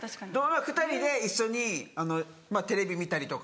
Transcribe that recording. ２人で一緒にテレビ見たりとか。